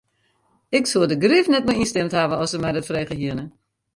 Ik soe der grif net mei ynstimd hawwe as se my dat frege hiene.